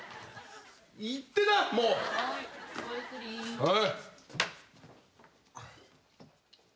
はい。